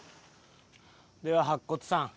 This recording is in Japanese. では白骨さん。